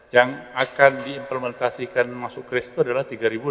yang akan diimplementasikan masuk kris itu adalah tiga enam puluh